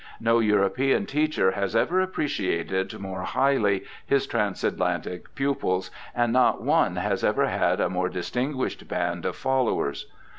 No European teacher has ever appreciated more highly his transatlantic pupils, and not one has ever had a more distinguished band of followers.